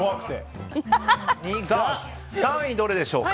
３位はどれでしょうか？